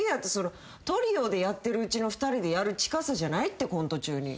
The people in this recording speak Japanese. トリオでやってるうちの２人でやる近さじゃないってコント中に。